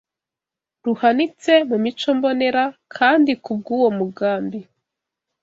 ruhanitse mu micombonera kandi kubw’uwo mugambi